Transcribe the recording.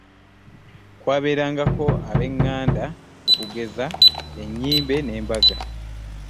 Kwabeerangako ab'enganda okugeza ennyimbe n'embaga